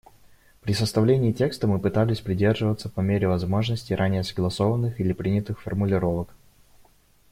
При составлении текста мы пытались придерживаться по мере возможности ранее согласованных или принятых формулировок.